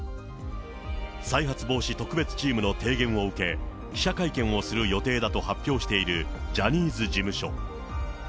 再発防止特別チームの提言を受け、記者会見をする予定だと発表しているジャニーズ事務所。